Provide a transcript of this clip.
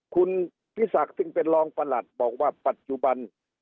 คุณพิศักดิ์ซึ่งเป็นรองประหลัดบอกว่าปัจจุบัน